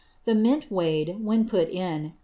The Mint weigh'd, when put in, 81 Gr.